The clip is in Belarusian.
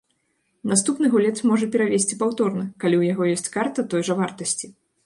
Наступны гулец можа перавесці паўторна, калі ў яго ёсць карта той жа вартасці.